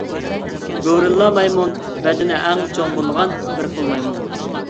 گورىللا مايمۇن بەدىنى ئەڭ چوڭ بولغان بىر خىل مايمۇن.